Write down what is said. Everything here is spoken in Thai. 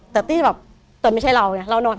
แต่ตีแบบตอนไม่ใช่เราเนี่ยเรานอน